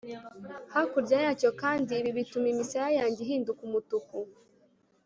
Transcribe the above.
hakurya yacyo kandi ibi bituma imisaya yanjye ihinduka umutuku